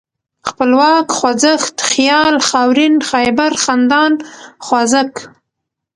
خپلواک ، خوځښت ، خيال ، خاورين ، خيبر ، خندان ، خوازک